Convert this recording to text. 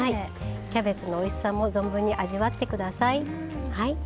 キャベツのおいしさも存分に味わって下さい。